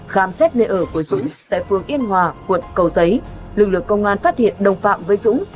khám xét nơi ở của dũng tại phường yên hòa quận cầu giấy lực lượng công an phát hiện đồng phạm với dũng